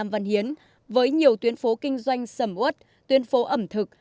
vân hiến với nhiều tuyến phố kinh doanh sầm út tuyến phố ẩm thực